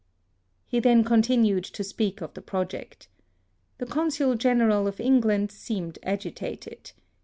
He then continued to speak of the pro ject. The Consul General of England seem ed agitated.